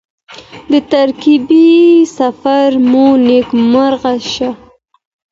د ترکیې سفر مو نیکمرغه شه.